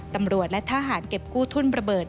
ตำรวจและทหารเก็บกู้ทุ่นระเบิด